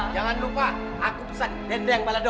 jangan lupa aku pesan dendeng balado